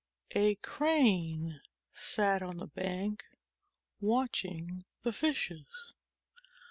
A Crane sat on the bank watching the Fishes.